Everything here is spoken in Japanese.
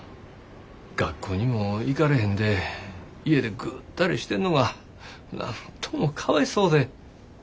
学校にも行かれへんで家でぐったりしてんのがなんともかわいそうで。